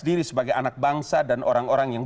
diri sebagai anak bangsa dan orang orang yang